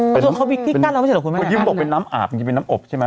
เพราะยึมเบาะเป็นน้ำอาบยืมเป็นน้ำอบใช่ไหม